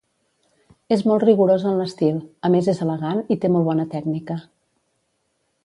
És molt rigorós en l'estil, a més és elegant i té molt bona tècnica.